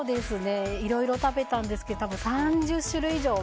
いろいろ食べたんですけど３０種類以上は。